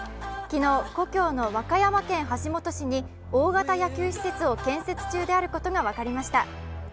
昨日、故郷の和歌山県橋本市に大型野球施設を建設中であることがわかりました。